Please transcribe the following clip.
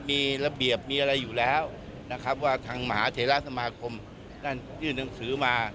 มีระเบียบมีอะไรอยู่แล้วนะครับว่าทางมหาเทราสมาคมได้ยื่นหนังสือมา